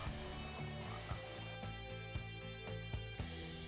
pt pn iii adalah perusahaan perkebunan negara